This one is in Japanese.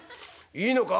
いいのか？